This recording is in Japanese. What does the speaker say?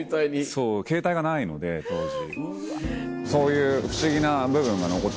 そうケータイがないので当時。